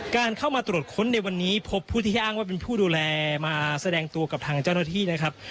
การเข้ามาตรวจค้นในวันนี้พบผู้ที่อ้างว่าเป็นผู้ดูแลมาแสดงตัวกับทางเจ้าหน้าที่นะครับ